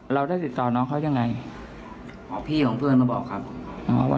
เราได้ติดต่อน้องเขายังไงอ๋อพี่ของเพื่อนมาบอกครับว่า